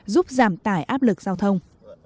giúp giảm tải áp lực giao thông